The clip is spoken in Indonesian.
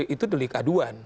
itu delik aduan